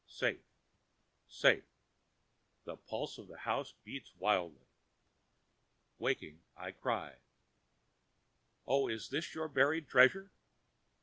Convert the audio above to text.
safe! safe!" the pulse of the house beats wildly. Waking, I cry "Oh, is this your buried treasure?